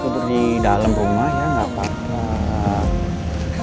tudur di dalam rumah ya gapapa